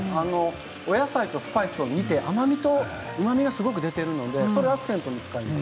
お野菜とスパイス甘みとうまみがすごく出ているので、アクセントになります。